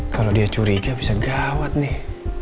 kalau dia curiga bisa gawat nih